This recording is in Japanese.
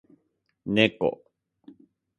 猫